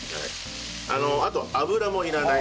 あと油もいらない。